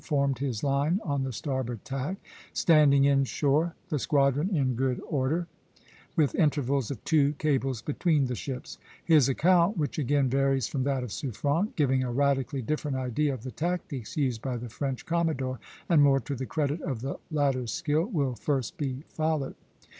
formed his line on the starboard tack, standing in shore (Plate XV., A), the squadron in good order, with intervals of two cables between the ships. His account, which again varies from that of Suffren, giving a radically different idea of the tactics used by the French commodore, and more to the credit of the latter's skill, will first be followed.